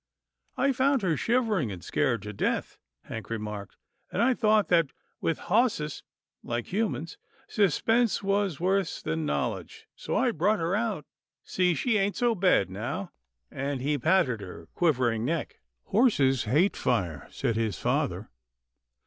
" I found her shivering and scared to death," Hank remarked, " and I thought that with bosses, like humans, suspense was worse than knowledge, THE SON OF MUFFLES 249 so I brought her out. See — she ain't so bad now/' and he patted her quivering neck. " Horses hate fire," said his father.